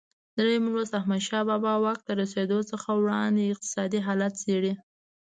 درېم لوست د احمدشاه بابا واک ته رسېدو څخه وړاندې اقتصادي حالت څېړي.